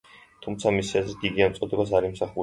თუმცა, მისი აზრით, იგი ამ წოდებას არ იმსახურებდა.